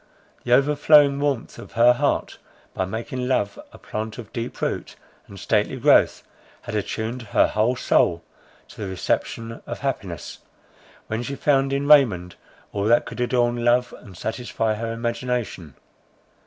The overflowing warmth of her heart, by making love a plant of deep root and stately growth, had attuned her whole soul to the reception of happiness, when she found in Raymond all that could adorn love and satisfy her imagination.